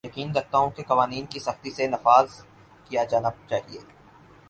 یقین رکھتا ہوں کہ قوانین کا سختی سے نفاذ کیا جانا چاھیے